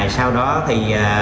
sau đó thì